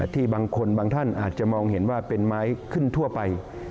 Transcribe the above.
ที่บางคนบางท่านอาจจะมองเห็นว่าเป็นไม้ขึ้นทั่วไป